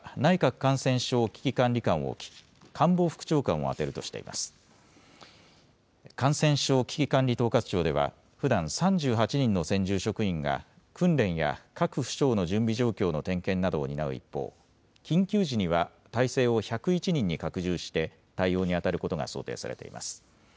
感染症危機管理統括庁ではふだん３８人の専従職員が訓練や各府省の準備状況の点検などを担う一方、緊急時には態勢を１０１人に拡充しで対応にあたることが想定されています。